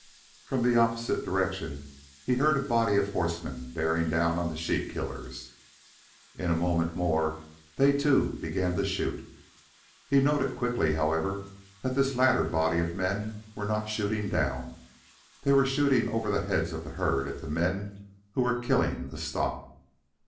From the opposite direction, he heard a body of horsemen bearing down on the sheep killers. In a moment more they too began to shoot. He noted quickly, however, that this latter body of men were not shooting down. They were shooting over the heads of the herd at the men who were killing the stock.